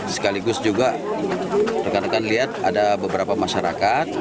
sekaligus juga rekan rekan lihat ada beberapa masyarakat